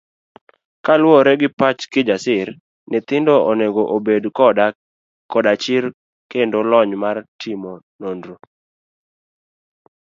Kaluwore gi pach Kijasir, nyithindo onego obed koda chir kendo lony mar timo nonro.